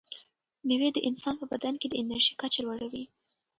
مېوې د انسان په بدن کې د انرژۍ کچه لوړوي.